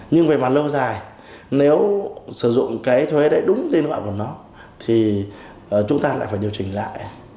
nhưng về mặt lâu dài nếu sử dụng cái thuế đấy đúng tên gọi của nó thì chúng ta lại phải điều chỉnh lại